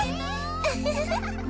ウフフフ！